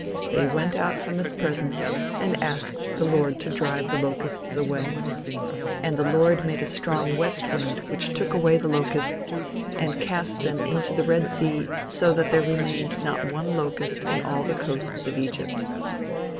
They went out from his presence and asked the Lord to drive the locusts away, "And the Lord made a strong west wind which took away the locusts, and cast them into the Red Sea so that there remained not one locust in all the coasts of Egypt."